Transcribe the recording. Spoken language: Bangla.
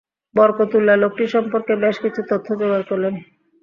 বরকতউল্লাহ লোকটি সম্পর্কে বেশ কিছু তথ্য জোগাড় করলেন।